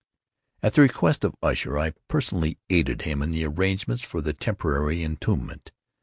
At the request of Usher, I personally aided him in the arrangements for the temporary entombment.